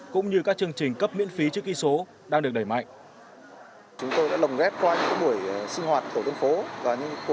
cũng như các chương trình cấp miễn phí chữ ký số đang được đẩy mạnh